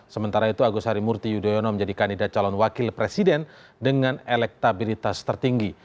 sementara itu agus harimurti yudhoyono menjadi kandidat calon wakil presiden dengan elektabilitas tertinggi